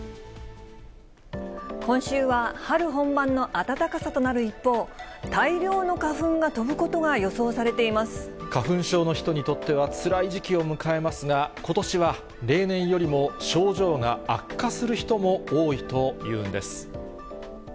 今週は春本番の暖かさとなる一方、大量の花粉が飛ぶことが予花粉症の人にとってはつらい時期を迎えますが、ことしは例年よりも症状が悪化する人も多いというんです。